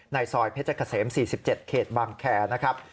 ซอยเพชรเกษม๔๗เขตบางแคร์นะครับ